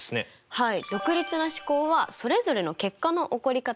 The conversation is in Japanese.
はい。